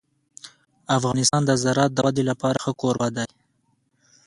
افغانستان د زراعت د ودې لپاره ښه کوربه دی.